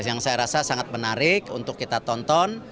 yang saya rasa sangat menarik untuk kita tonton